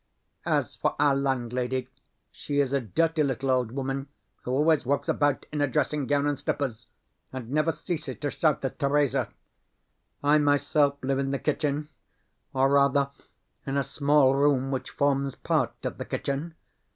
As for our landlady, she is a dirty little old woman who always walks about in a dressing gown and slippers, and never ceases to shout at Theresa. I myself live in the kitchen or, rather, in a small room which forms part of the kitchen.